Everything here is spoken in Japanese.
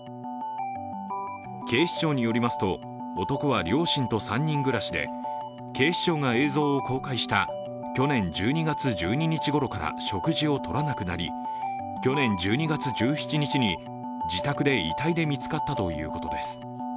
警視庁によりますと男は両親と３人暮らしで警視庁が映像を公開した去年１２月１２日ごろから食事を取らなくなり去年１２月１７日に自宅で遺体で見つかったということです。